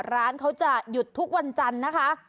ร้านเขาจะหยุดทุกวันจันทร์นะคะ